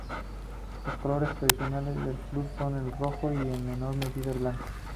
Los colores tradicionales del club son el rojo y, en menor medida, el blanco.